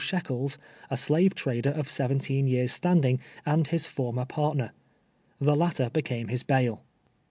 Shekels, a slave trader of seventeen yeai s' standing, and his former partner. The latter became his bail.